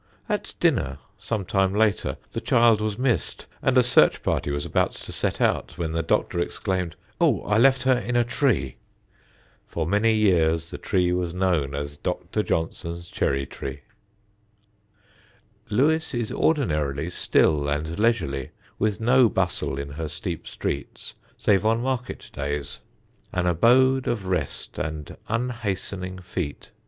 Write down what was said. At dinner, some time later, the child was missed, and a search party was about to set out when the Doctor exclaimed, "Oh, I left her in a tree!" For many years the tree was known as "Dr. Johnson's cherry tree." [Illustration: St. Ann's Church, Southover.] [Sidenote: THE FIFTH] Lewes is ordinarily still and leisurely, with no bustle in her steep streets save on market days: an abode of rest and unhastening feet.